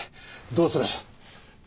どうする？